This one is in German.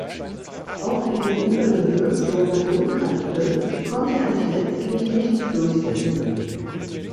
Auch gegenüber dem Würzburger Domkapitel konnte er sich letztlich nicht durchsetzen.